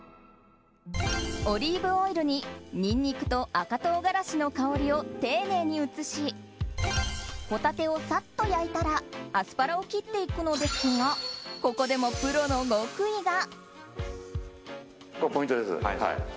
オリーブオイルにニンニクと赤トウガラシの香りを丁寧に移しホタテをサッと焼いたらアスパラを切っていくのですがここでもプロの極意が。